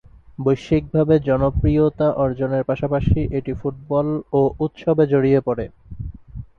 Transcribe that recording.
বৈশ্বিকভাবে জনপ্রিয়তা অর্জনের পাশাপাশি এটি ফুটবল ও উৎসবে জড়িয়ে পড়ে।